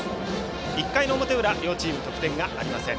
１回の表裏両チーム得点ありません。